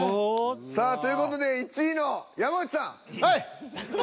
さあという事で１位の山内さん。